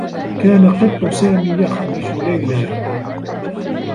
كان قطّ سامي يخذش ليلى.